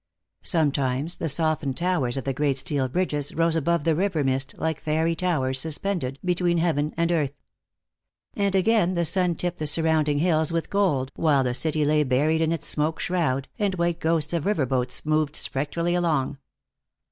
Sometimes the softened towers of the great steel bridges rose above the river mist like fairy towers suspended between Heaven and earth. And again the sun tipped the surrounding hills with gold, while the city lay buried in its smoke shroud, and white ghosts of river boats moved spectrally along.